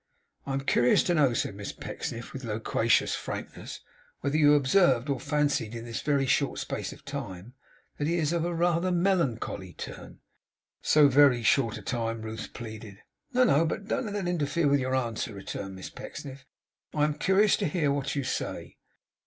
'I am curious to know,' said Miss Pecksniff, with loquacious frankness, 'whether you have observed, or fancied, in this very short space of time, that he is of a rather melancholy turn?' 'So very short a time,' Ruth pleaded. 'No, no; but don't let that interfere with your answer,' returned Miss Pecksniff. 'I am curious to hear what you say.